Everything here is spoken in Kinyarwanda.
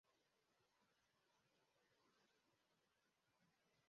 carburetor ntabwo yari ikibazo. ukeneye pompe nshya